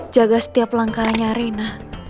jaga setiap langkahnya renna